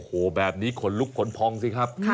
โอ้โหแบบนี้ขนลุกขนพองสิครับ